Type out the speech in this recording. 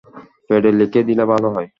প্যাডে লিখে দিলে ভালো হয়।